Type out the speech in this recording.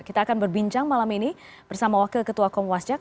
kita akan berbincang malam ini bersama wakil ketua komwasjak